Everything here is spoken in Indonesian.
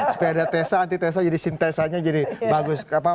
supaya ada tesan antitesan jadi sintesanya jadi bagus